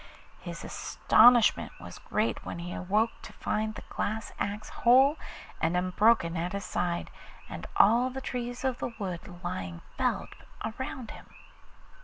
His astonishment was great when he awoke to find the glass axe whole and unbroken at his side, and all the trees of the wood lying felled around him!